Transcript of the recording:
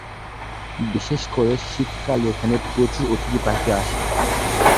বিশেষ করে শীত কালে এখানে প্রচুর অতিথি পাখি আসে।